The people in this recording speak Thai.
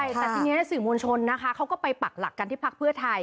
แต่ทีนี้สื่อมวลชนนะคะเขาก็ไปปักหลักกันที่พักเพื่อไทย